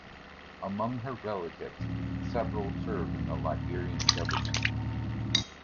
Among her relatives, several serve in the Liberian government.